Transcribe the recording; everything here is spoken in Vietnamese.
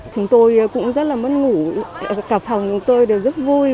chúng tôi cũng rất là mất ngủ cả phòng chúng tôi đều rất vui